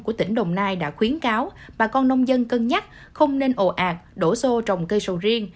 của tỉnh đồng nai đã khuyến cáo bà con nông dân cân nhắc không nên ồ ạt đổ xô trồng cây sầu riêng